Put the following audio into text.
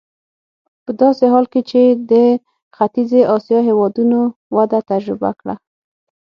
په داسې حال کې چې د ختیځې اسیا هېوادونو وده تجربه کړه.